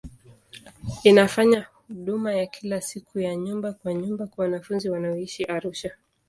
Inafanya huduma ya kila siku ya nyumba kwa nyumba kwa wanafunzi wanaoishi Arusha.